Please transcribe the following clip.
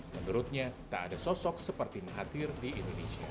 menurutnya tak ada sosok seperti mahathir di indonesia